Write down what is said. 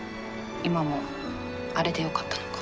今もあれでよかったのか。